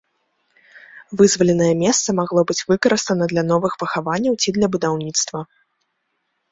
Вызваленае месца магло быць выкарыстана для новых пахаванняў ці для будаўніцтва.